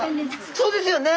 そうですよね。